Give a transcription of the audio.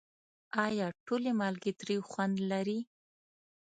آیا ټولې مالګې تریو خوند لري؟